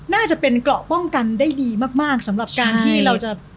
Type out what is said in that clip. น่าจะเป็นเกราะป้องกันได้ดีมากมากสำหรับการที่เราจะ